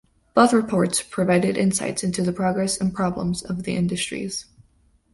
Both Reports provided insights into the progress and problems of the industries.